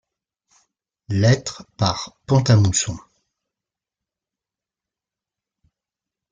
Lettres par Pont-à-Mousson.